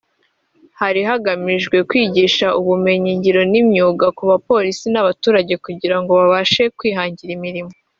Hari hagamijwe kwigisha ubumenyingiro n’imyuga ku bapolisi n’abaturage kugira ngo babashe kwihangira imirimo